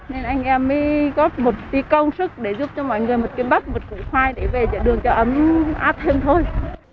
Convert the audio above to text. nên anh em mới góp một tí công sức để giúp cho mọi người một cái bắp một cái khoai để về đường cho ấm át thêm thôi